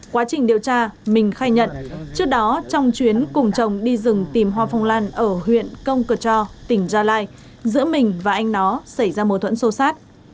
quá trình điều tra mình khai nhận trước đó trong chuyến cùng chồng đi rừng tìm hoa phong lan ở huyện công cờ cho tỉnh gia lai giữa mình và anh nó xảy ra mối thuẫn sâu sát